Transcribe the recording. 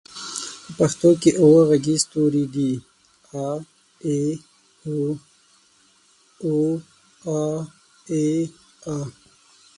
په پښتو کې اووه غږيز توري دي: اَ، اِ، اُ، اٗ، اٰ، اٖ، أ.